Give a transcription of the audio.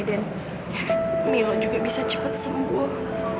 dan milo juga bisa cepat sembuh